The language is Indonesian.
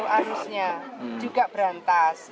harusnya juga berantas